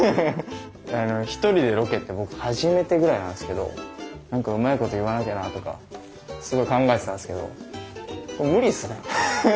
１人でロケって僕初めてぐらいなんですけど何かうまいこと言わなきゃなとかすごい考えてたんですけどこれ無理っすね。